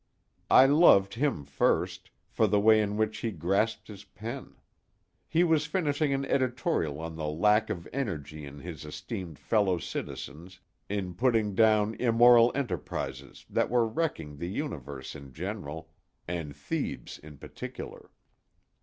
I loved him first, for the way in which he grasped his pen. He was finishing an editorial on the lack of energy in his esteemed fellow citizens in putting down immoral enterprises that were wrecking the universe in general, and Thebes in particular.